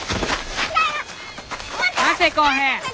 待て耕平。